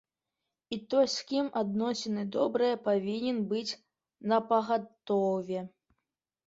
І той, з кім адносіны добрыя, павінен быць напагатове.